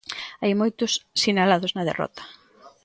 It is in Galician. Hai moitos sinalados na derrota.